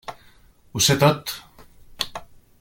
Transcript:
Ho sé tot.